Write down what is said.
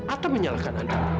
atau menyalahkan andara